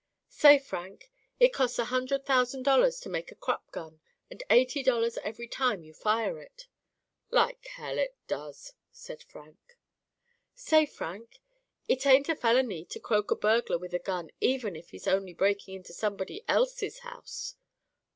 'Say Frank, it costs a hundred thousand dollars to make a Krupp gun and eighty dollars ev'ry time you fire it.' 'Like hell it does,' said Frank. 'Say Frank, it ain't a felony to croak a burglar with a gun even if he's only breakin' into somebody else's house.